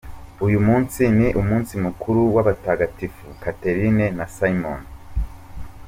Uyu munsi ni umunsi mukuru w’abatagatifu: Catheline na Simon.